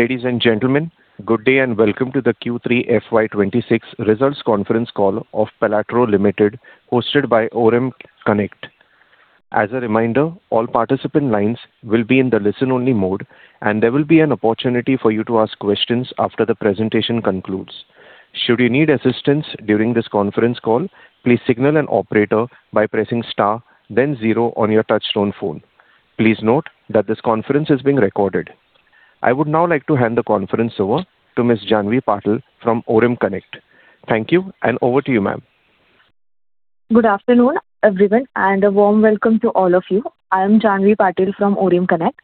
Ladies and gentlemen, good day and welcome to the Q3 FY26 Results Conference Call of Pelatro Limited, hosted by ORIM CONNECT. As a reminder, all participant lines will be in the listen-only mode, and there will be an opportunity for you to ask questions after the presentation concludes. Should you need assistance during this conference call, please signal an operator by pressing star, then zero on your touch-tone phone. Please note that this conference is being recorded. I would now like to hand the conference over to Ms. Janvi Patil from ORIM CONNECT. Thank you, and over to you, ma'am. Good afternoon, everyone, and a warm welcome to all of you. I am Janvi Patil from ORIM CONNECT,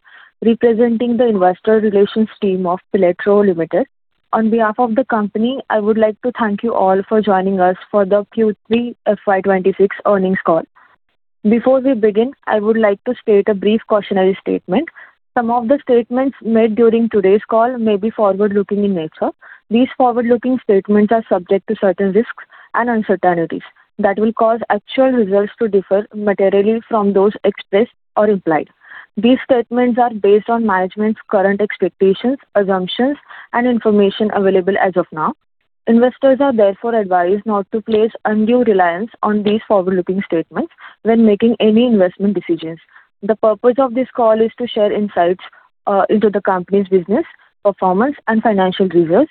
representing the Investor Relations team of Pelatro Limited. On behalf of the company, I would like to thank you all for joining us for the Q3 FY26 earnings call. Before we begin, I would like to state a brief cautionary statement: some of the statements made during today's call may be forward-looking in nature. These forward-looking statements are subject to certain risks and uncertainties that will cause actual results to differ materially from those expressed or implied. These statements are based on management's current expectations, assumptions, and information available as of now. Investors are therefore advised not to place undue reliance on these forward-looking statements when making any investment decisions. The purpose of this call is to share insights into the company's business, performance, and financial results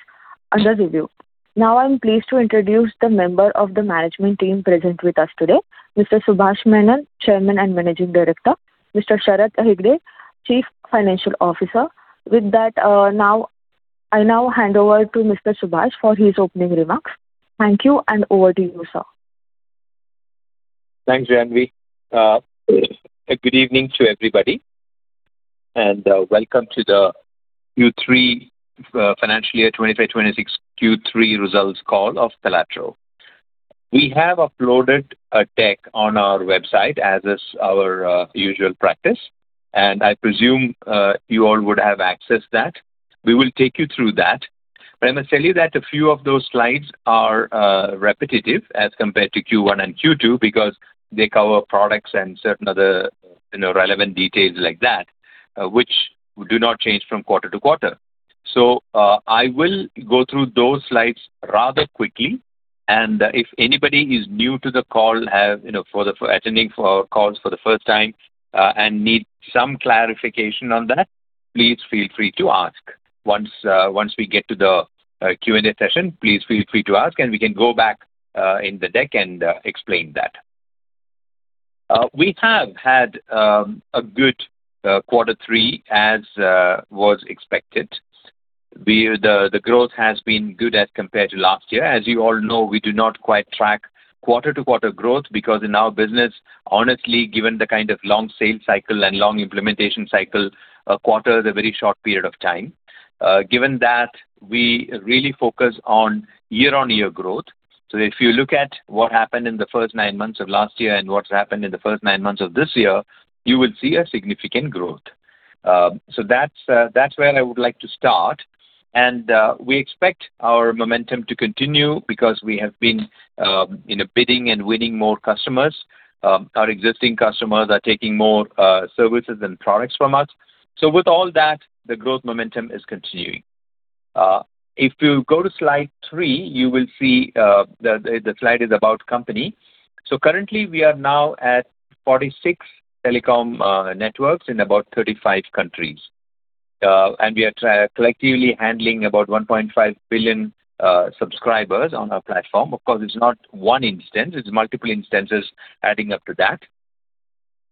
under review. Now I'm pleased to introduce the member of the management team present with us today, Mr. Subhash Menon, Chairman and Managing Director. Mr. Sharath Hegde, Chief Financial Officer. With that, I now hand over to Mr. Subhash for his opening remarks. Thank you, and over to you, sir. Thanks, Janvi. Good evening to everybody, and welcome to the Q3 Financial Year 2026 Q3 Results Call of Pelatro. We have uploaded a deck on our website, as is our usual practice, and I presume you all would have accessed that. We will take you through that. But I must tell you that a few of those slides are repetitive as compared to Q1 and Q2 because they cover products and certain other relevant details like that, which do not change from quarter to quarter. So I will go through those slides rather quickly, and if anybody is new to the call, attending our calls for the first time, and needs some clarification on that, please feel free to ask. Once we get to the Q&A session, please feel free to ask, and we can go back in the deck and explain that. We have had a good quarter three, as was expected. The growth has been good as compared to last year. As you all know, we do not quite track quarter-to-quarter growth because in our business, honestly, given the kind of long sales cycle and long implementation cycle, a quarter is a very short period of time. Given that, we really focus on year-on-year growth. So if you look at what happened in the first nine months of last year and what's happened in the first nine months of this year, you will see a significant growth. So that's where I would like to start. We expect our momentum to continue because we have been bidding and winning more customers. Our existing customers are taking more services and products from us. So with all that, the growth momentum is continuing. If you go to slide three, you will see the slide is about company. So currently, we are now at 46 telecom networks in about 35 countries, and we are collectively handling about 1.5 billion subscribers on our platform. Of course, it's not one instance. It's multiple instances adding up to that.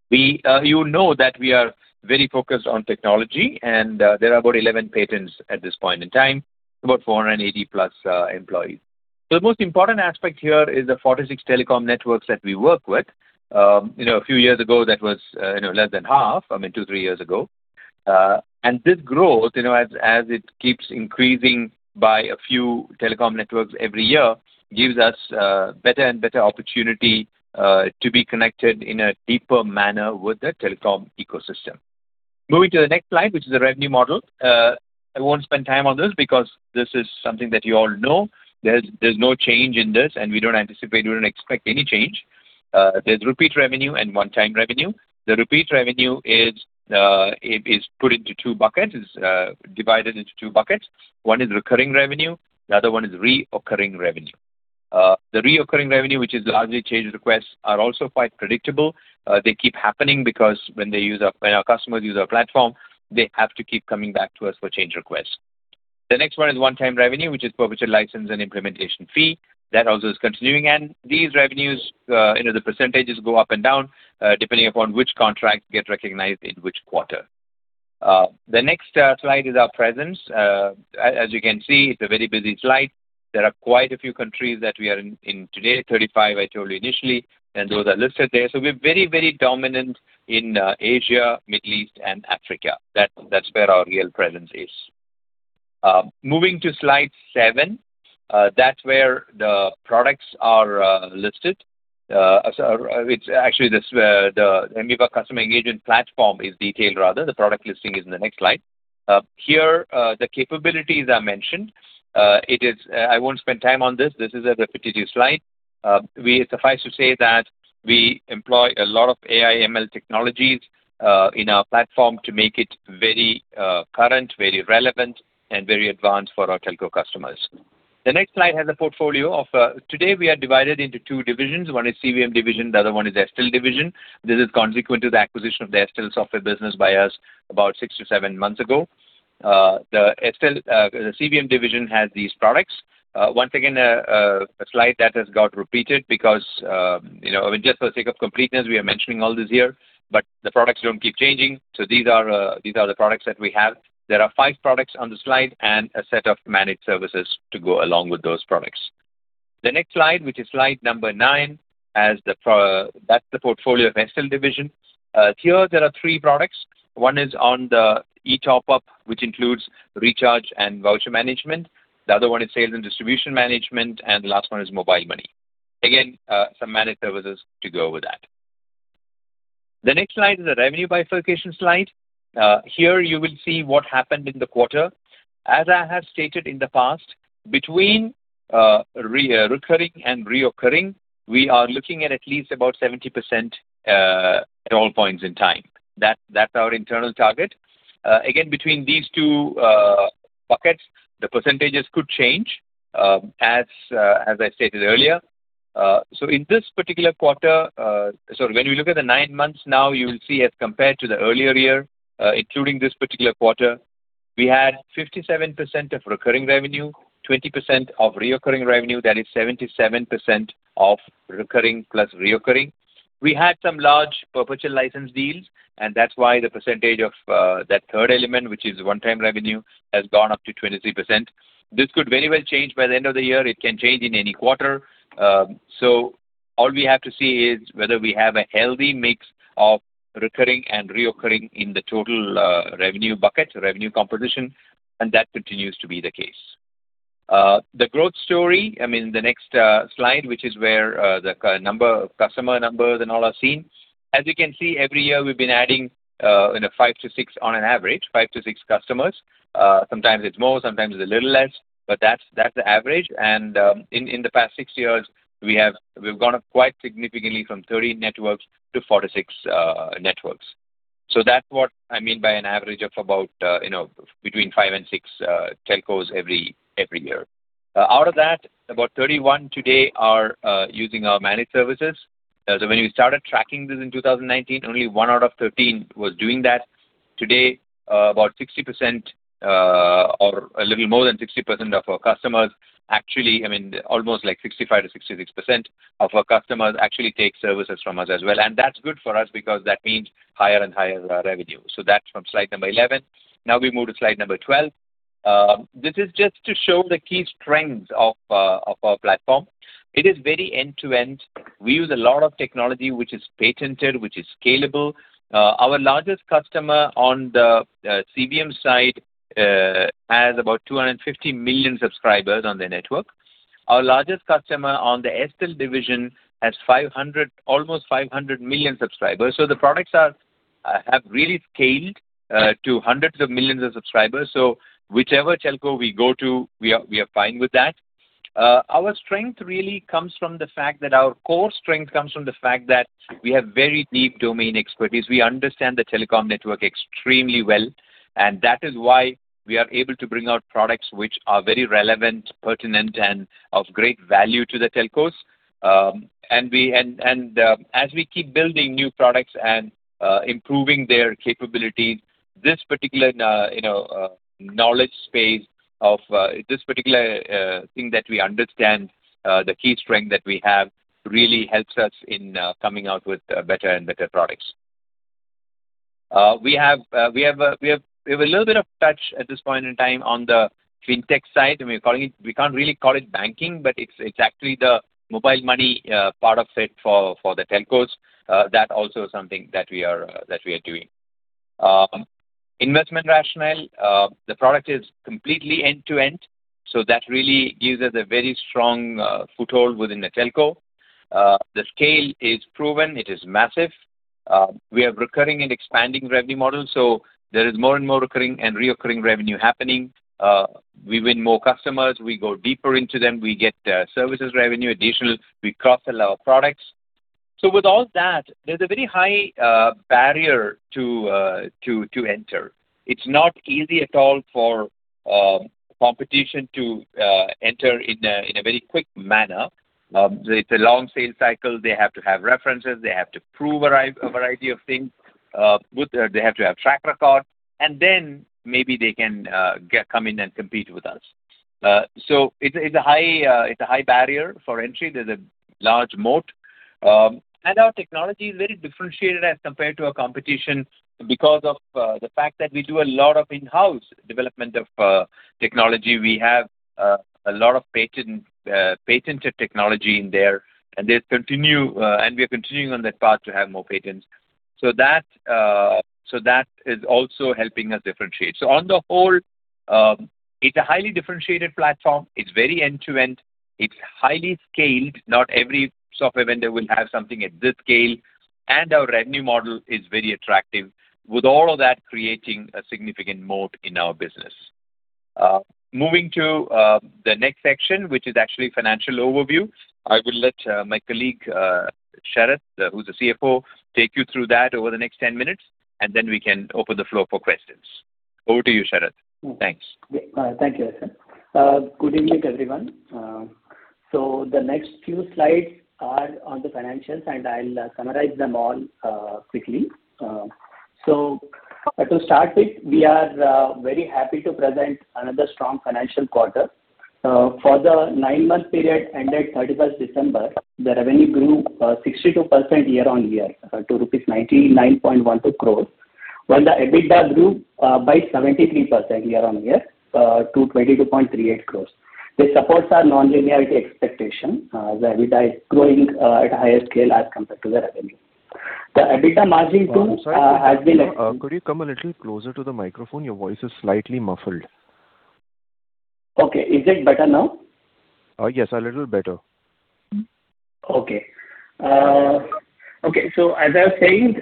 You know that we are very focused on technology, and there are about 11 patents at this point in time, about 480+ employees. So the most important aspect here is the 46 telecom networks that we work with. A few years ago, that was less than half, I mean, two, three years ago. This growth, as it keeps increasing by a few telecom networks every year, gives us better and better opportunity to be connected in a deeper manner with the telecom ecosystem. Moving to the next slide, which is the revenue model. I won't spend time on this because this is something that you all know. There's no change in this, and we don't anticipate or expect any change. There's repeat revenue and one-time revenue. The repeat revenue is put into two buckets, divided into two buckets. One is recurring revenue. The other one is recurring revenue. The recurring revenue, which is largely change requests, are also quite predictable. They keep happening because when our customers use our platform, they have to keep coming back to us for change requests. The next one is one-time revenue, which is perpetual license and implementation fee. That also is continuing. These revenues, the percentages go up and down depending upon which contracts get recognized in which quarter. The next slide is our presence. As you can see, it's a very busy slide. There are quite a few countries that we are in today, 35, I told you initially, and those are listed there. So we're very, very dominant in Asia, Middle East, and Africa. That's where our real presence is. Moving to slide seven, that's where the products are listed. Actually, the mViva customer engagement platform is detailed, rather. The product listing is in the next slide. Here, the capabilities are mentioned. I won't spend time on this. This is a repetitive slide. It suffices to say that we employ a lot of AI/ML technologies in our platform to make it very current, very relevant, and very advanced for our telco customers. The next slide has a portfolio of today. We are divided into two divisions. One is CVM division. The other one is Estel division. This is consequent to the acquisition of the Estel software business by us about six to seven months ago. The CVM division has these products. Once again, a slide that has got repeated because, I mean, just for the sake of completeness, we are mentioning all this here, but the products don't keep changing. So these are the products that we have. There are five products on the slide and a set of managed services to go along with those products. The next slide, which is slide number nine, that's the portfolio of Estel division. Here, there are three products. One is on the e-Top Up, which includes recharge and voucher management. The other one is sales and distribution management, and the last one is mobile money. Again, some managed services to go with that. The next slide is a revenue bifurcation slide. Here, you will see what happened in the quarter. As I have stated in the past, between recurring and reoccurring, we are looking at least about 70% at all points in time. That's our internal target. Again, between these two buckets, the percentages could change, as I stated earlier. So in this particular quarter, sorry, when you look at the nine months now, you will see as compared to the earlier year, including this particular quarter, we had 57% of recurring revenue, 20% of reoccurring revenue. That is 77% of recurring plus reoccurring. We had some large perpetual license deals, and that's why the percentage of that third element, which is one-time revenue, has gone up to 23%. This could very well change by the end of the year. It can change in any quarter. So all we have to see is whether we have a healthy mix of recurring and reoccurring in the total revenue bucket, revenue composition, and that continues to be the case. The growth story, I mean, in the next slide, which is where the customer numbers and all are seen. As you can see, every year, we've been adding 5-6 on an average, 5-6 customers. Sometimes it's more. Sometimes it's a little less, but that's the average. In the past 6 years, we've gone up quite significantly from 30 networks to 46 networks. So that's what I mean by an average of about between five and six telcos every year. Out of that, about 31 today are using our managed services. So when we started tracking this in 2019, only one out of 13 was doing that. Today, about 60% or a little more than 60% of our customers—I mean, almost like 65%-66% of our customers—actually take services from us as well. And that's good for us because that means higher and higher revenue. So that's from slide 11. Now we move to slide 12. This is just to show the key strengths of our platform. It is very end-to-end. We use a lot of technology, which is patented, which is scalable. Our largest customer on the CVM side has about 250 million subscribers on the network. Our largest customer on the Estel division has almost 500 million subscribers. So the products have really scaled to hundreds of millions of subscribers. So whichever telco we go to, we are fine with that. Our strength really comes from the fact that our core strength comes from the fact that we have very deep domain expertise. We understand the telecom network extremely well, and that is why we are able to bring out products which are very relevant, pertinent, and of great value to the telcos. And as we keep building new products and improving their capabilities, this particular knowledge space of this particular thing that we understand, the key strength that we have, really helps us in coming out with better and better products. We have a little bit of touch at this point in time on the fintech side. I mean, we can't really call it banking, but it's actually the mobile money part of it for the telcos. That also is something that we are doing. Investment rationale, the product is completely end-to-end, so that really gives us a very strong foothold within the telco. The scale is proven. It is massive. We have recurring and expanding revenue models, so there is more and more recurring and reoccurring revenue happening. We win more customers. We go deeper into them. We get services revenue additional. We cross-sell our products. So with all that, there's a very high barrier to enter. It's not easy at all for competition to enter in a very quick manner. It's a long sales cycle. They have to have references. They have to prove a variety of things. They have to have track record, and then maybe they can come in and compete with us. So it's a high barrier for entry. There's a large moat. Our technology is very differentiated as compared to our competition because of the fact that we do a lot of in-house development of technology. We have a lot of patented technology in there, and we are continuing on that path to have more patents. So that is also helping us differentiate. So on the whole, it's a highly differentiated platform. It's very end-to-end. It's highly scaled. Not every software vendor will have something at this scale. And our revenue model is very attractive, with all of that creating a significant moat in our business. Moving to the next section, which is actually financial overview, I will let my colleague Sharath, who's the CFO, take you through that over the next 10 minutes, and then we can open the floor for questions. Over to you, Sharath. Thanks. Thank you, Subhash. Good evening, everyone. So the next few slides are on the financials, and I'll summarize them all quickly. So to start with, we are very happy to present another strong financial quarter. For the nine-month period ended 31st December, the revenue grew 62% year-on-year to rupees 99.12 crores, while the EBITDA grew by 73% year-on-year to 22.38 crores. This supports the non-linearity expectation. The EBITDA is growing at a higher scale as compared to the revenue. The EBITDA margin too has been. Could you come a little closer to the microphone? Your voice is slightly muffled. Okay. Is it better now? Yes, a little better. Okay. Okay. So as I was saying,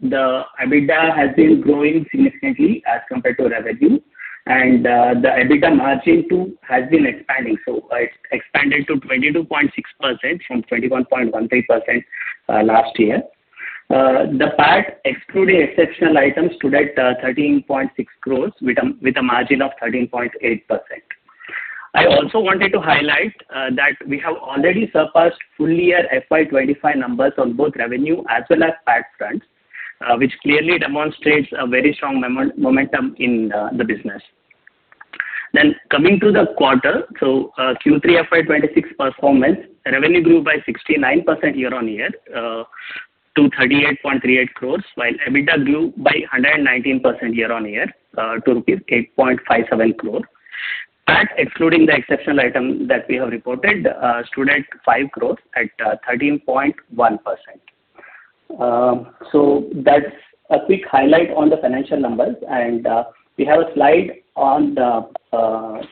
the EBITDA has been growing significantly as compared to revenue, and the EBITDA margin too has been expanding. So it's expanded to 22.6% from 21.13% last year, excluding exceptional items to that 13.6 crores with a margin of 13.8%. I also wanted to highlight that we have already surpassed full-year FY 2025 numbers on both revenue as well as PAT fronts, which clearly demonstrates a very strong momentum in the business. Then coming to the quarter, so Q3 FY 2026 performance, revenue grew by 69% year-on-year to 38.38 crores, while EBITDA grew by 119% year-on-year to rupees 8.57 crores. PAT, excluding the exceptional item that we have reported, stood at 5 crores at 13.1%. So that's a quick highlight on the financial numbers. And we have a slide on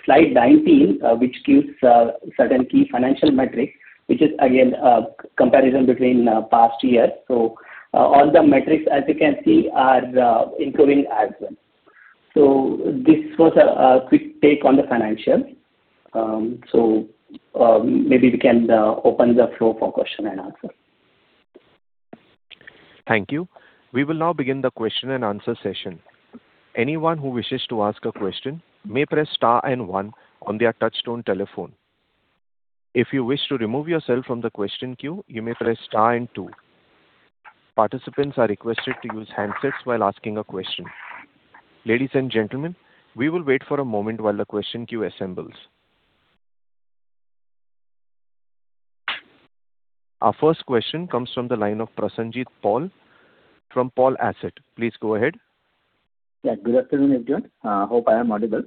slide 19, which gives certain key financial metrics, which is, again, a comparison between past years. All the metrics, as you can see, are improving as well. This was a quick take on the financials. Maybe we can open the floor for question-and-answer. Thank you. We will now begin the question and answer session. Anyone who wishes to ask a question may press star and one on their touch-tone telephone. If you wish to remove yourself from the question queue, you may press star and two. Participants are requested to use handsets while asking a question. Ladies and gentlemen, we will wait for a moment while the question queue assembles. Our first question comes from the line of Prasenjit Paul from Paul Asset. Please go ahead. Yeah. Good afternoon, everyone. Hope I am audible.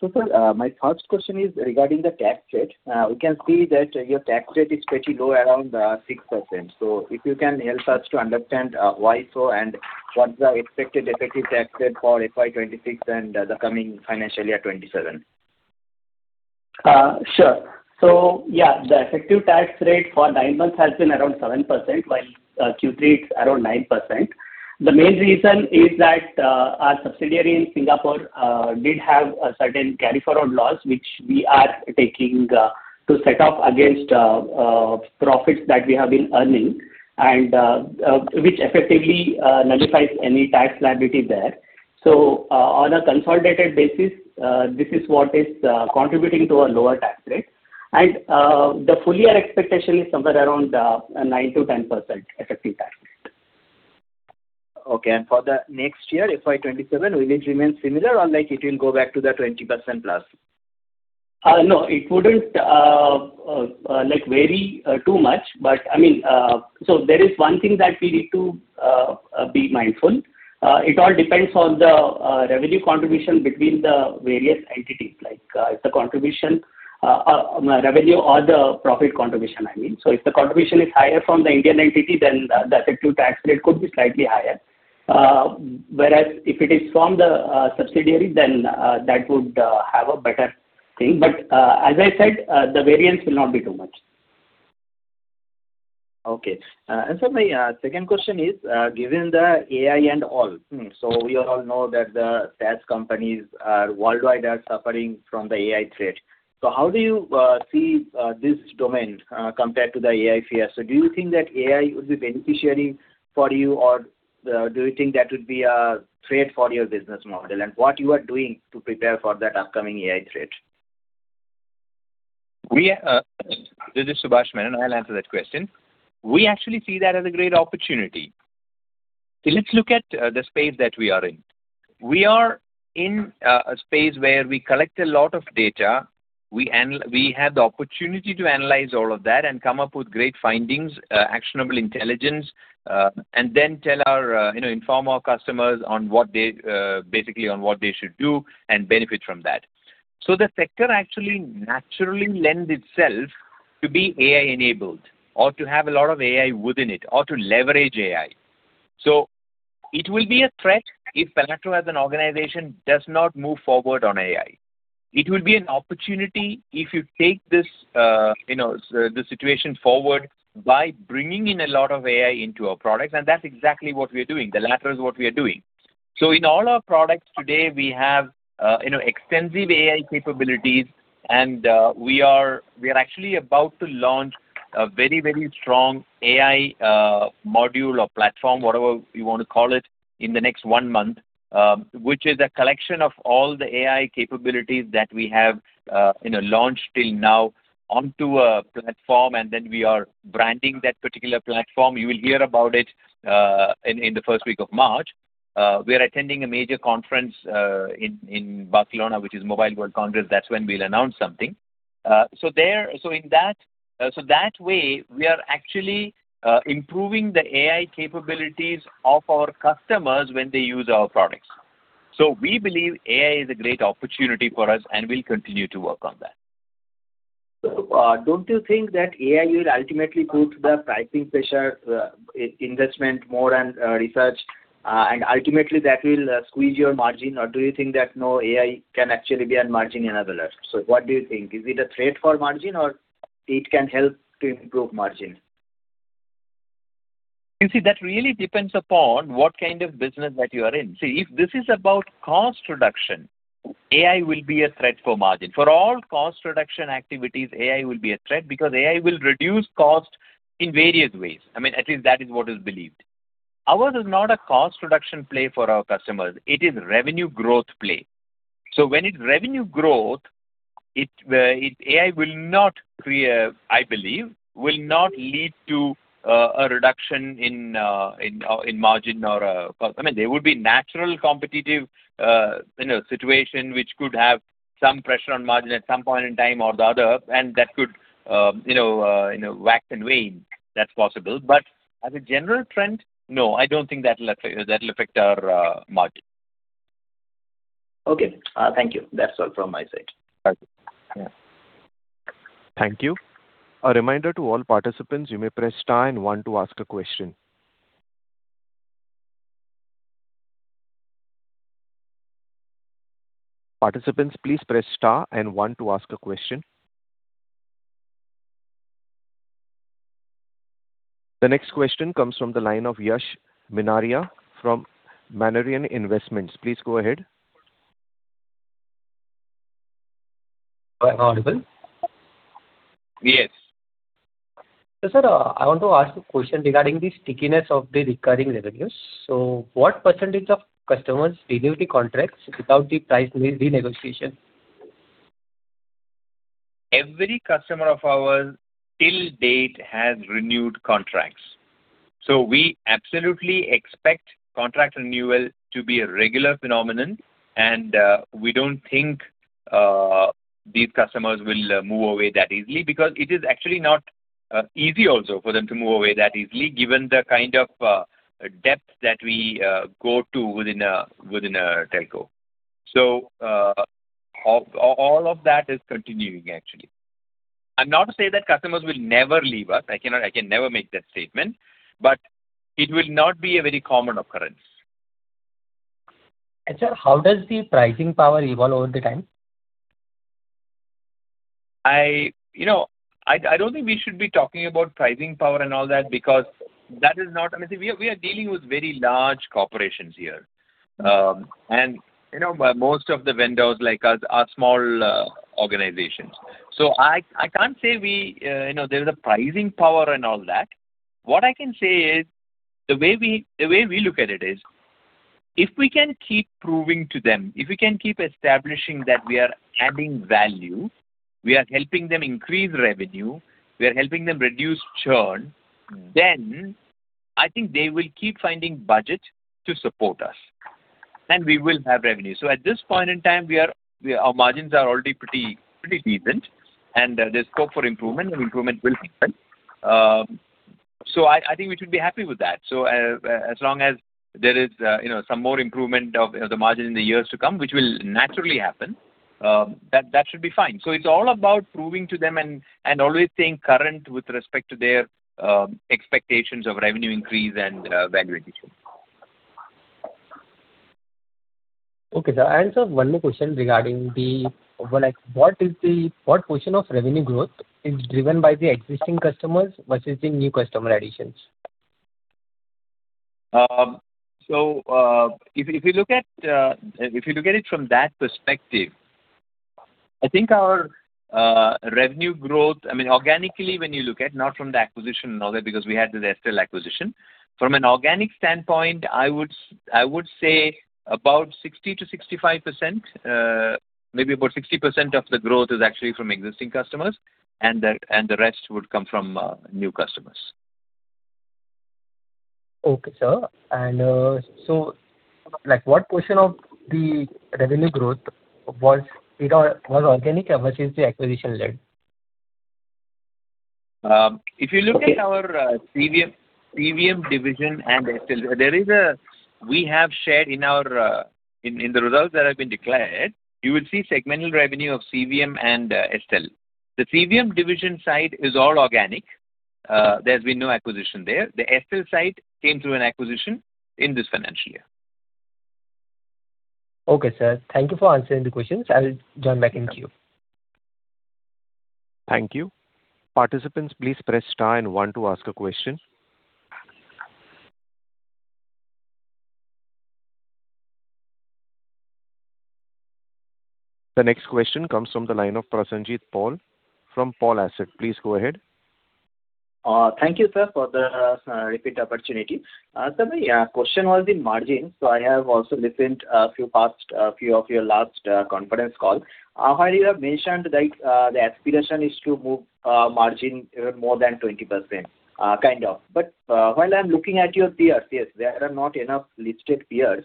So first, my first question is regarding the tax rate. We can see that your tax rate is pretty low, around 6%. So if you can help us to understand why so and what's the expected effective tax rate for FY 2026 and the coming financial year 2027? Sure. So yeah, the effective tax rate for nine months has been around 7%, while Q3 is around 9%. The main reason is that our subsidiary in Singapore did have certain carry-forward losses, which we are taking to set off against profits that we have been earning and which effectively nullifies any tax liability there. So on a consolidated basis, this is what is contributing to a lower tax rate. And the full-year expectation is somewhere around 9%-10% effective tax rate. Okay. And for the next year, FY 2027, will it remain similar or it will go back to the 20% plus? No, it wouldn't vary too much. But I mean, so there is one thing that we need to be mindful. It all depends on the revenue contribution between the various entities, like if the contribution revenue or the profit contribution, I mean. So if the contribution is higher from the Indian entity, then the effective tax rate could be slightly higher. Whereas if it is from the subsidiary, then that would have a better thing. But as I said, the variance will not be too much. Okay. And so my second question is, given the AI and all, so we all know that the SaaS companies worldwide are suffering from the AI threat. So how do you see this domain compared to the AI fear? So do you think that AI would be beneficial for you, or do you think that would be a threat for your business model and what you are doing to prepare for that upcoming AI threat? This is Subhash Menon. I'll answer that question. We actually see that as a great opportunity. Let's look at the space that we are in. We are in a space where we collect a lot of data. We have the opportunity to analyze all of that and come up with great findings, actionable intelligence, and then inform our customers basically on what they should do and benefit from that. So the sector actually naturally lends itself to be AI-enabled or to have a lot of AI within it or to leverage AI. So it will be a threat if Pelatro, as an organization, does not move forward on AI. It will be an opportunity if you take the situation forward by bringing in a lot of AI into our products. And that's exactly what we are doing. The latter is what we are doing. So in all our products today, we have extensive AI capabilities, and we are actually about to launch a very, very strong AI module or platform, whatever you want to call it, in the next one month, which is a collection of all the AI capabilities that we have launched till now onto a platform, and then we are branding that particular platform. You will hear about it in the first week of March. We are attending a major conference in Barcelona, which is Mobile World Congress. That's when we'll announce something. So in that way, we are actually improving the AI capabilities of our customers when they use our products. So we believe AI is a great opportunity for us, and we'll continue to work on that. Don't you think that AI will ultimately put the pricing pressure, investment, more on research, and ultimately, that will squeeze your margin? Or do you think that, no, AI can actually be a margin enabler? So what do you think? Is it a threat for margin, or it can help to improve margin? You see, that really depends upon what kind of business that you are in. See, if this is about cost reduction, AI will be a threat for margin. For all cost reduction activities, AI will be a threat because AI will reduce cost in various ways. I mean, at least that is what is believed. Ours is not a cost reduction play for our customers. It is revenue growth play. So when it's revenue growth, AI will not create, I believe, will not lead to a reduction in margin or, I mean, there would be natural competitive situation, which could have some pressure on margin at some point in time or the other, and that could wax and wane. That's possible. But as a general trend, no, I don't think that will affect our margin. Okay. Thank you. That's all from my side. Thank you. A reminder to all participants, you may press star and one to ask a question. Participants, please press star and one to ask a question. The next question comes from the line of [Yash Menaria] from [Manarian Investments}. Please go ahead. All right. Audible? Yes. So sir, I want to ask a question regarding the stickiness of the recurring revenues. So what percentage of customers renew the contracts without the price renegotiation? Every customer of ours till date has renewed contracts. So we absolutely expect contract renewal to be a regular phenomenon, and we don't think these customers will move away that easily because it is actually not easy also for them to move away that easily given the kind of depth that we go to within a telco. So all of that is continuing, actually. I'm not to say that customers will never leave us. I can never make that statement, but it will not be a very common occurrence. Sir, how does the pricing power evolve over time? I don't think we should be talking about pricing power and all that because that is not—I mean, see—we are dealing with very large corporations here, and most of the vendors like us are small organizations. So I can't say there is a pricing power and all that. What I can say is the way we look at it is if we can keep proving to them, if we can keep establishing that we are adding value, we are helping them increase revenue, we are helping them reduce churn, then I think they will keep finding budget to support us, and we will have revenue. So at this point in time, our margins are already pretty decent, and there's scope for improvement, and improvement will happen. So I think we should be happy with that. As long as there is some more improvement of the margin in the years to come, which will naturally happen, that should be fine. It's all about proving to them and always staying current with respect to their expectations of revenue increase and value addition. Okay. So I answered one more question regarding what portion of revenue growth is driven by the existing customers versus the new customer additions? So if you look at if you look at it from that perspective, I think our revenue growth—I mean, organically, when you look at not from the acquisition and all that because we had the Estel acquisition. From an organic standpoint, I would say about 60%-65%, maybe about 60% of the growth is actually from existing customers, and the rest would come from new customers. Okay, sir. And so what portion of the revenue growth was organic versus the acquisition-led? If you look at our CVM division and Estel, we have shared in the results that have been declared, you will see segmental revenue of CVM and Estel. The CVM division side is all organic. There's been no acquisition there. The Estel side came through an acquisition in this financial year. Okay, sir. Thank you for answering the questions. I will join back in queue. Thank you. Participants, please press star and one to ask a question. The next question comes from the line of Prasenjit Paul from Paul Asset. Please go ahead. Thank you, sir, for the repeat opportunity. Sir, my question was the margins. So I have also listened to a few of your last conference calls. While you have mentioned that the aspiration is to move margin even more than 20%, kind of. But while I'm looking at your peers, yes, there are not enough listed peers.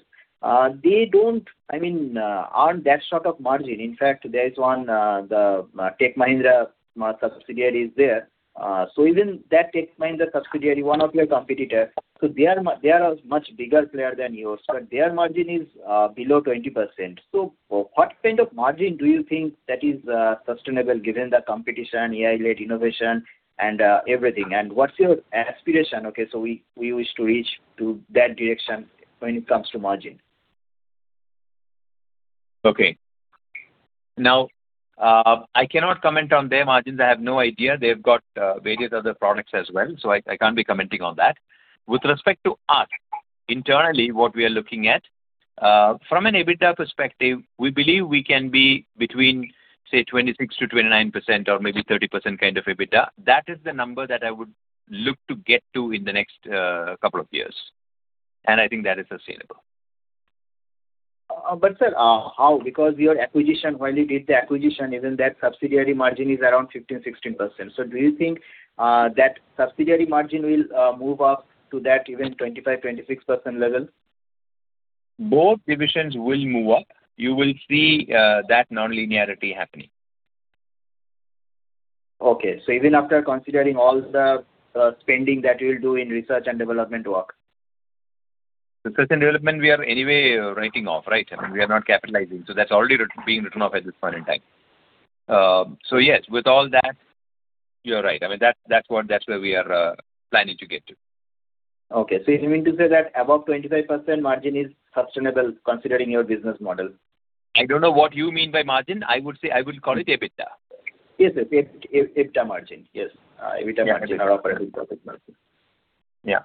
They don't, I mean, earn that sort of margin. In fact, there is one, the Tech Mahindra subsidiary is there. So even that Tech Mahindra subsidiary, one of your competitors, so they are a much bigger player than yours, but their margin is below 20%. So what kind of margin do you think that is sustainable given the competition, AI-led innovation, and everything? And what's your aspiration? Okay. So we wish to reach that direction when it comes to margin. Okay. Now, I cannot comment on their margins. I have no idea. They've got various other products as well, so I can't be commenting on that. With respect to us, internally, what we are looking at, from an EBITDA perspective, we believe we can be between, say, 26%-29% or maybe 30% kind of EBITDA. That is the number that I would look to get to in the next couple of years. I think that is sustainable. But sir, how? Because your acquisition, while you did the acquisition, even that subsidiary margin is around 15%-16%. So do you think that subsidiary margin will move up to that even 25%-26% level? Both divisions will move up. You will see that nonlinearity happening. Okay. So even after considering all the spending that you will do in research and development work? Research and development, we are anyway writing off, right? I mean, we are not capitalizing. So that's already being written off at this point in time. So yes, with all that, you're right. I mean, that's where we are planning to get to. Okay. So you mean to say that above 25% margin is sustainable considering your business model? I don't know what you mean by margin. I would call it EBITDA. Yes, yes. EBITDA margin. Yes. EBITDA margin or operating profit margin. Yeah.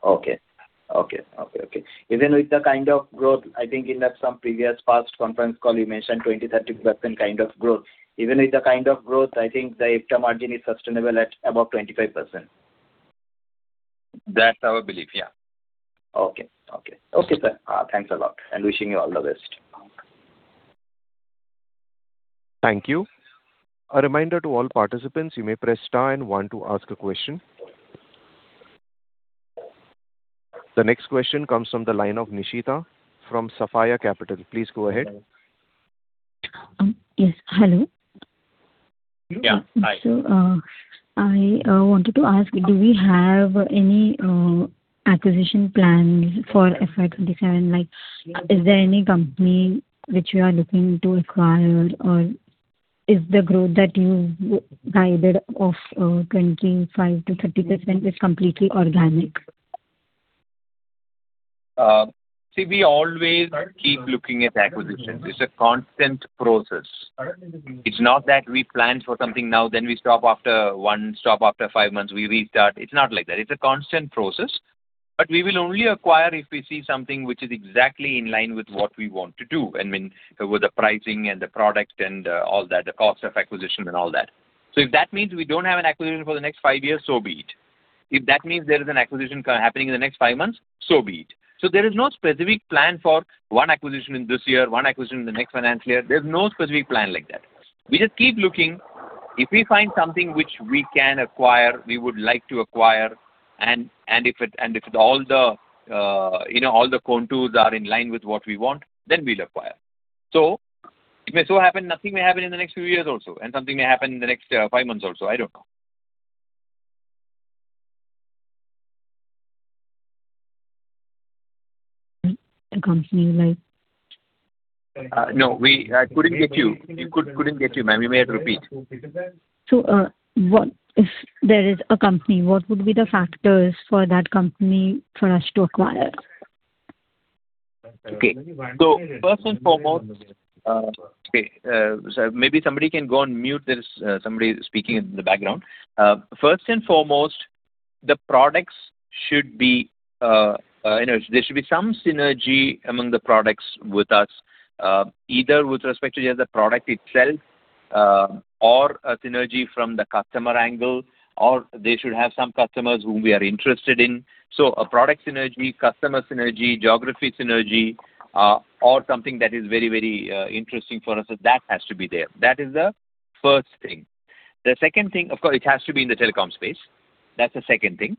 Even with the kind of growth, I think in some previous past conference call, you mentioned 20%-30% kind of growth. Even with the kind of growth, I think the EBITDA margin is sustainable at above 25%. That's our belief. Yeah. Okay. Okay. Okay, sir. Thanks a lot. Wishing you all the best. Thank you. A reminder to all participants, you may press star and one to ask a question. The next question comes from the line of Nishita from Sapphire Capital. Please go ahead. Yes. Hello. Yeah. Hi. I wanted to ask, do we have any acquisition plans for FY 2027? Is there any company which you are looking to acquire, or is the growth that you guided of 25%-30% completely organic? See, we always keep looking at acquisitions. It's a constant process. It's not that we plan for something now, then we stop after one stop after five months. We restart. It's not like that. It's a constant process. But we will only acquire if we see something which is exactly in line with what we want to do, I mean, with the pricing and the product and all that, the cost of acquisition and all that. So if that means we don't have an acquisition for the next five years, so be it. If that means there is an acquisition happening in the next five months, so be it. So there is no specific plan for one acquisition in this year, one acquisition in the next financial year. There's no specific plan like that. We just keep looking. If we find something which we can acquire, we would like to acquire, and if all the contours are in line with what we want, then we'll acquire. So it may so happen nothing may happen in the next few years also, and something may happen in the next five months also. I don't know. A company like? No, I couldn't get you. You couldn't get you, ma'am. You may have to repeat. If there is a company, what would be the factors for that company for us to acquire? Okay. So first and foremost, okay, so maybe somebody can go on mute. There's somebody speaking in the background. First and foremost, there should be some synergy among the products with us, either with respect to just the product itself or a synergy from the customer angle, or they should have some customers whom we are interested in. So a product synergy, customer synergy, geography synergy, or something that is very, very interesting for us, that has to be there. That is the first thing. The second thing, of course, it has to be in the telecom space. That's the second thing.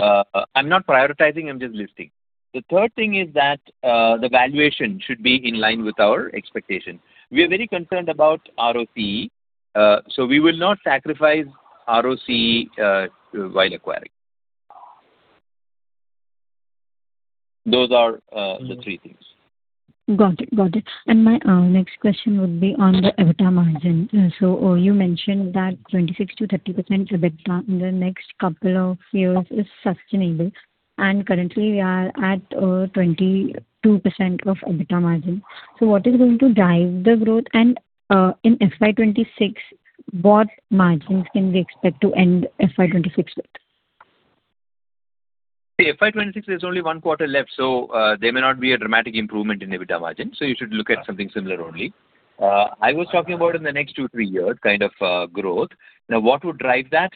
I'm not prioritizing. I'm just listing. The third thing is that the valuation should be in line with our expectation. We are very concerned about ROCE, so we will not sacrifice ROCE while acquiring. Those are the three things. Got it. Got it. And my next question would be on the EBITDA margin. So you mentioned that 26%-30% EBITDA in the next couple of years is sustainable. And currently, we are at 22% of EBITDA margin. So what is going to drive the growth? And in FY 2026, what margins can we expect to end FY 2026 with? See, FY26, there's only one quarter left, so there may not be a dramatic improvement in EBITDA margin. So you should look at something similar only. I was talking about in the next two, three years kind of growth. Now, what would drive that?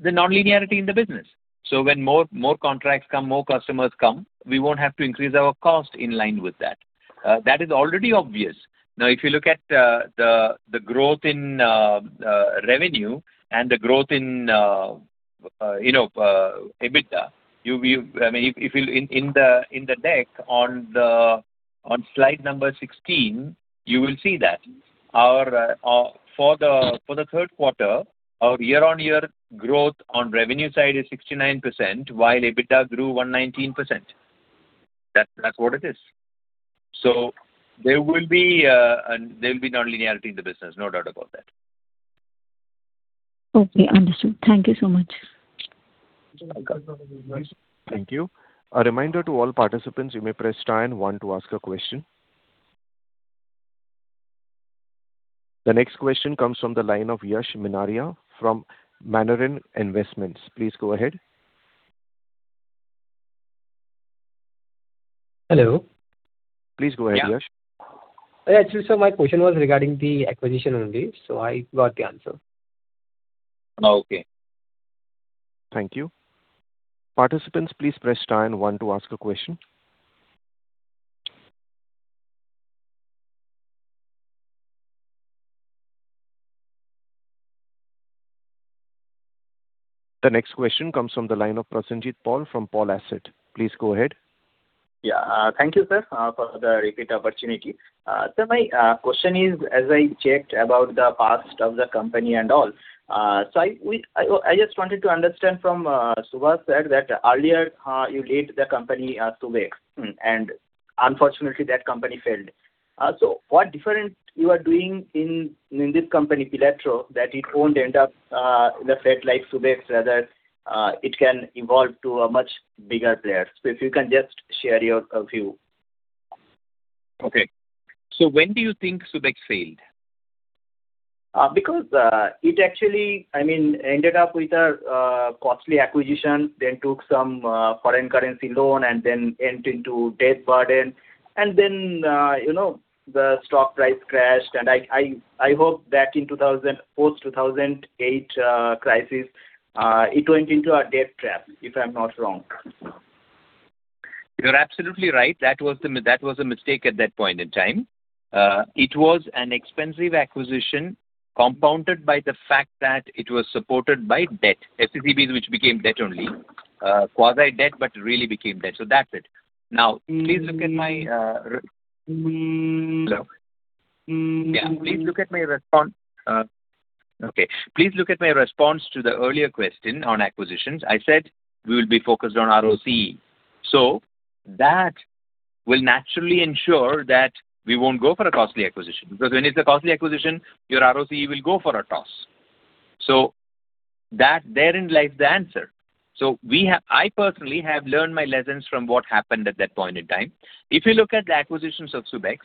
The nonlinearity in the business. So when more contracts come, more customers come, we won't have to increase our cost in line with that. That is already obvious. Now, if you look at the growth in revenue and the growth in EBITDA, I mean, in the deck on slide number 16, you will see that. For the third quarter, our year-on-year growth on revenue side is 69% while EBITDA grew 119%. That's what it is. So there will be nonlinearity in the business, no doubt about that. Okay. Understood. Thank you so much. You're welcome. Thank you. A reminder to all participants, you may press star and one to ask a question. The next question comes from the line of [Yash Mineria] from [Manarian Investments]. Please go ahead. Hello. Please go ahead, Yash. Yeah. Actually, sir, my question was regarding the acquisition only. So I got the answer. Okay. Thank you. Participants, please press star and one to ask a question. The next question comes from the line of Prasenjit Paul from Paul Asset. Please go ahead. Yeah. Thank you, sir, for the repeat opportunity. Sir, my question is, as I checked about the past of the company and all, so I just wanted to understand from Subhash said that earlier, you led the company Subex, and unfortunately, that company failed. So what different you are doing in this company, Pelatro, that it won't end up in the fate like Subex, rather it can evolve to a much bigger player? So if you can just share your view. Okay. So when do you think Subex failed? Because it actually, I mean, ended up with a costly acquisition, then took some foreign currency loan, and then went into debt burden. Then the stock price crashed. I hope back in post-2008 crisis, it went into a debt trap, if I'm not wrong. You're absolutely right. That was a mistake at that point in time. It was an expensive acquisition compounded by the fact that it was supported by debt, FCCBs, which became debt-only, quasi-debt, but really became debt. So that's it. Now, please look at my response. Okay. Please look at my response to the earlier question on acquisitions. I said we will be focused on RoCE. So that will naturally ensure that we won't go for a costly acquisition because when it's a costly acquisition, your RoCE will go for a toss. So therein lies the answer. So I personally have learned my lessons from what happened at that point in time. If you look at the acquisitions of Subex,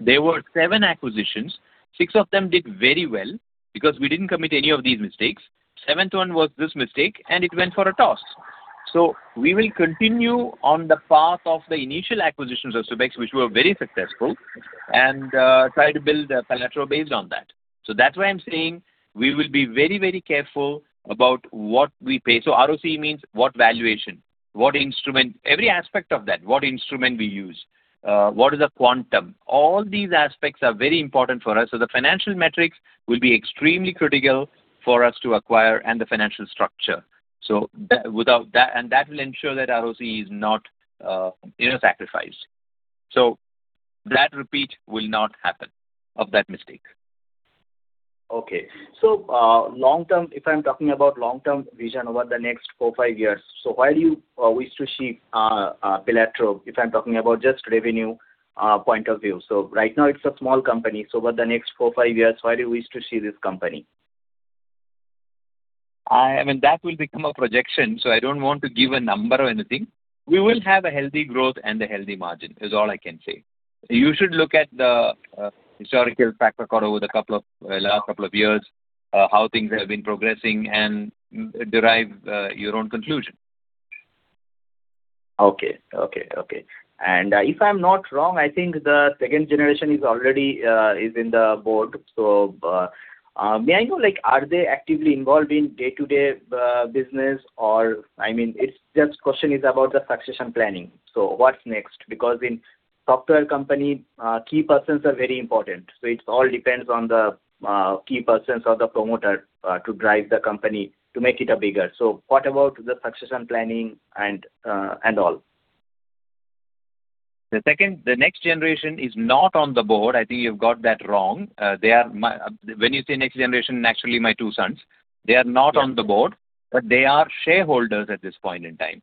there were seven acquisitions. Six of them did very well because we didn't commit any of these mistakes. Seventh one was this mistake, and it went for a toss. So we will continue on the path of the initial acquisitions of Subex, which were very successful, and try to build Pelatro based on that. So that's why I'm saying we will be very, very careful about what we pay. So RoCE means what valuation, every aspect of that, what instrument we use, what is the quantum. All these aspects are very important for us. So the financial metrics will be extremely critical for us to acquire and the financial structure. And that will ensure that RoCE is not sacrificed. So that repeat will not happen of that mistake. Okay. If I'm talking about long-term vision over the next 4-5 years, so where do you wish to see Pelatro if I'm talking about just revenue point of view? Right now, it's a small company. Over the next 4-5 years, where do you wish to see this company? I mean, that will become a projection, so I don't want to give a number or anything. We will have a healthy growth and a healthy margin is all I can say. You should look at the historical track record over the last couple of years, how things have been progressing, and derive your own conclusion. Okay. Okay. Okay. And if I'm not wrong, I think the second generation is already in the board. So may I know, are they actively involved in day-to-day business? Or I mean, the question is about the succession planning. So what's next? Because in software company, key persons are very important. So it all depends on the key persons or the promoter to drive the company to make it bigger. So what about the succession planning and all? The next generation is not on the board. I think you've got that wrong. When you say next generation, naturally, my two sons. They are not on the board, but they are shareholders at this point in time.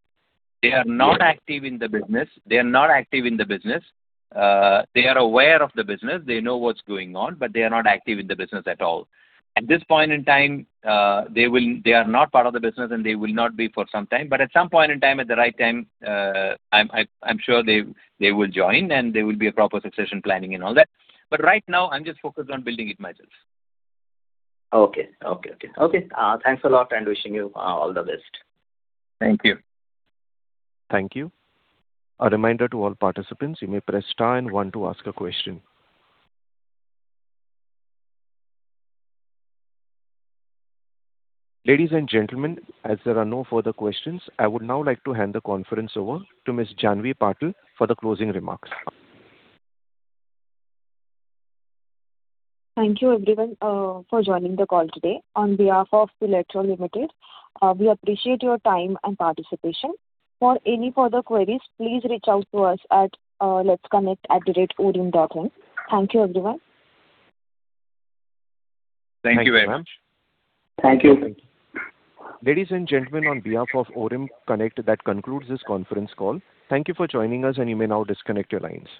They are not active in the business. They are not active in the business. They are aware of the business. They know what's going on, but they are not active in the business at all. At this point in time, they are not part of the business, and they will not be for some time. But at some point in time, at the right time, I'm sure they will join, and there will be a proper succession planning and all that. But right now, I'm just focused on building it myself. Okay. Okay. Okay. Okay. Thanks a lot and wishing you all the best. Thank you. Thank you. A reminder to all participants, you may press star and one to ask a question. Ladies and gentlemen, as there are no further questions, I would now like to hand the conference over to Ms. Janvi Patil for the closing remarks. Thank you, everyone, for joining the call today. On behalf of Pelatro Limited, we appreciate your time and participation. For any further queries, please reach out to us at letsconnect@direct.orim.in. Thank you, everyone. Thank you, ma'am. Thank you. Ladies and gentlemen, on behalf of ORIM CONNECT, that concludes this conference call. Thank you for joining us, and you may now disconnect your lines.